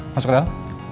masuk ke dalam